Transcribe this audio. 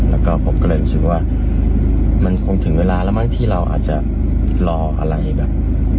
แล้วก็ผมก็เลยรู้สึกว่ามันคงถึงเวลาแล้วมั้งที่เราอาจจะรออะไรแบบ